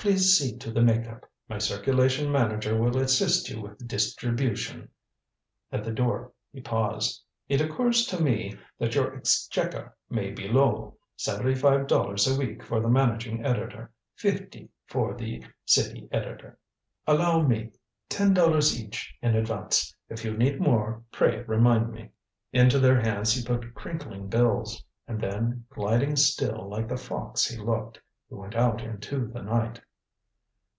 Please see to the make up. My circulation manager will assist you with the distribution." At the door he paused. "It occurs to me that your exchequer may be low. Seventy five dollars a week for the managing editor. Fifty for the city editor. Allow me ten dollars each in advance. If you need more, pray remind me." Into their hands he put crinkling bills. And then, gliding still like the fox he looked, he went out into the night.